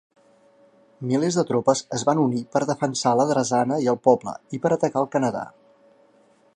Milers de tropes es van unir per defensar la drassana i el poble, i per atacar el Canadà.